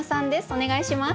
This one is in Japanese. お願いします。